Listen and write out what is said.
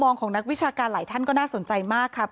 ของนักวิชาการหลายท่านก็น่าสนใจมากครับ